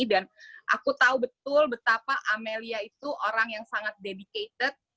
aku tahu betul betapa amelia itu orang yang sangat dedicated